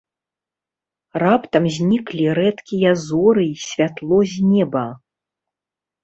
Раптам зніклі рэдкія зоры і святло з неба.